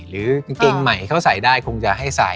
กางเกงใหม่เขาใส่ได้คงจะให้ใส่